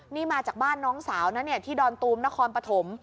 นี่มาจากบ้านน้องสาวนะเนี่ยที่ดอนตูมนครปฐม